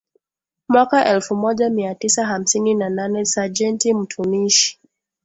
mwaka elfu moja mia tisa hamsini na nane Sajenti mtumishi